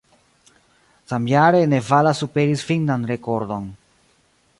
Samjare Nevala superis finnan rekordon.